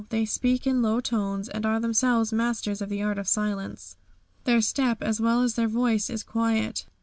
They speak in low tones, and are themselves masters of the art of silence. Their step, as well as their voice, is quiet.